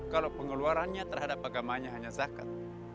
kalau pengeluarannya terhadap agamanya hanya zakat